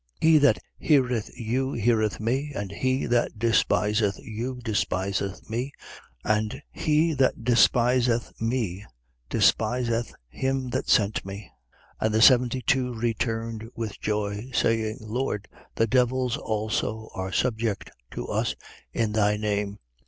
10:16. He that heareth you heareth me: and he that despiseth you despiseth me: and he that despiseth me despiseth him that sent me. 10:17. And the seventy two returned with joy, saying: Lord, the devils also are subject to us in thy name.